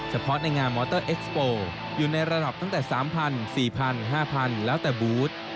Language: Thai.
เฉพาะในงานมอเตอร์เอ็กซ์โปร์อยู่ในระดับตั้งแต่๓๐๐๔๐๐๕๐๐แล้วแต่บูธ